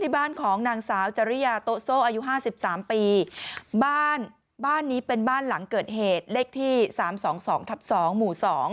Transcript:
บ้านบ้านนี้เป็นบ้านหลังเกิดเหตุเลขที่๓๒๒ทับ๒หมู่๒